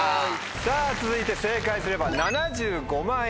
さぁ続いて正解すれば７５万円です。